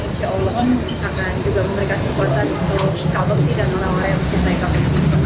insyaallah akan juga memberikan kekuatan untuk kabupaten dan melawan yang mencintai